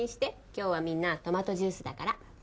今日はみんなトマトジュースだから。